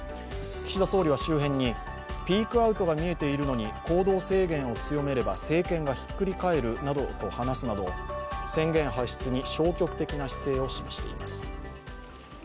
岸田総理は周辺にピークアウトが見えているのに行動制限を強めれば政権がひっくり返るなどと話すなど宣言発出に消極的な姿勢を示しています。